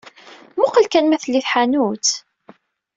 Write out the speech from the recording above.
Muqqel kan ma telli tḥanut?